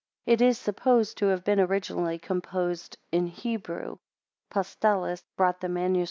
It is supposed to have been originally composed in Hebrew. Postellus brought the MS.